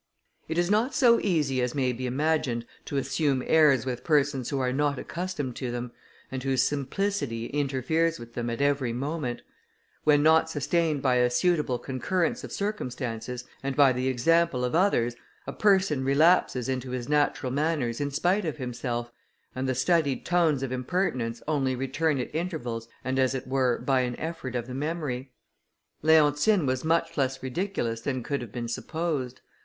It is not so easy as may be imagined to assume airs with persons who are not accustomed to them, and whose simplicity interferes with them at every moment; when not sustained by a suitable concurrence of circumstances, and by the example of others, a person relapses into his natural manners in spite of himself, and the studied tones of impertinence only return at intervals, and as it were by an effort of the memory. Leontine was much less ridiculous than could have been supposed.